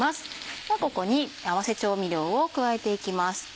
ではここに合わせ調味料を加えていきます。